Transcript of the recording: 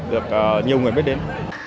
được nhiều người biết đến